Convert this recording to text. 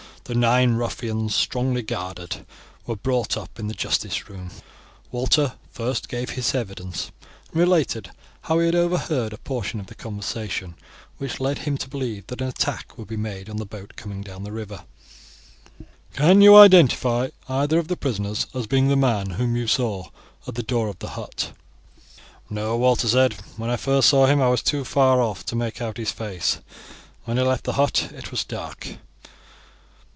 The nine ruffians, strongly guarded, were brought up in the justice room. Walter first gave his evidence, and related how he had overheard a portion of the conversation, which led him to believe that an attack would be made upon the boat coming down the river. "Can you identify either of the prisoners as being the man whom you saw at the door of the hut?" "No," Walter said. "When I first saw him I was too far off to make out his face. When he left the hut it was dark."